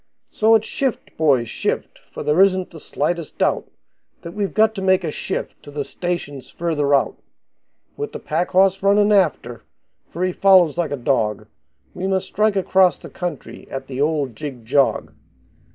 So it's shift, boys, shift, for there isn't the slightest doubt That we've got to make a shift to the stations further out, With the pack horse runnin' after, for he follows like a dog, We must strike across the country at the old jig jog.